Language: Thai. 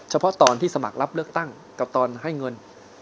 เฉพาะตอนที่สมัครรับเลือกตั้งกับตอนให้เงิน